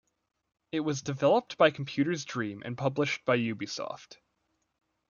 It was developed by Computer's Dream and published by Ubisoft.